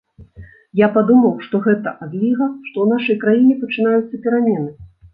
Я падумаў, што гэта адліга, што ў нашай краіне пачынаюцца перамены.